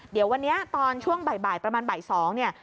เดี๋ยววันนี้ตอนช่วงบ่ายประมาณบ่าย๒เนี่ย